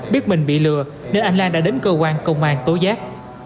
biết mình bị lừa nên anh lan đã đến cơ quan công an tố giác